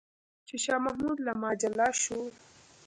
چې شاه محمود له ما جلا شو.